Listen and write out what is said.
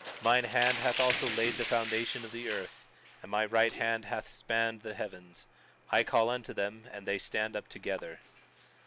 20:13 Mine hand hath also laid the foundation of the earth, and my right hand hath spanned the heavens. I call unto them and they stand up together.